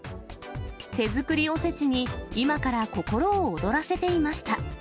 手作りおせちに今から心を躍らせていました。